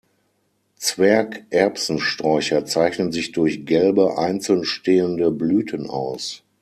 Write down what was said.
Zwerg-Erbsensträucher zeichnen sich durch gelbe, einzeln stehende Blüten aus.